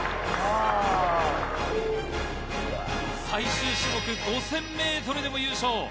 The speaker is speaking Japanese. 最終種目５０００ｍでも優勝。